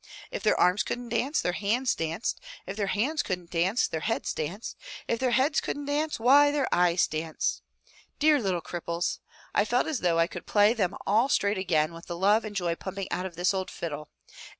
If their arms couldn't dance, their hands danced, if their hands couldn't dance their heads danced, if their heads couldn't dance — why, their eyes danced! Dear little cripples! I felt as though I could play them all straight again with the love and joy jumping out of this old fiddle!